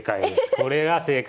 これが正解。